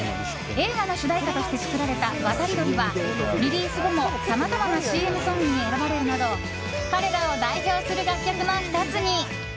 映画の主題歌として作られた「ワタリドリ」はリリース後も、さまざまなＣＭソングに選ばれるなど彼らを代表する楽曲の１つに。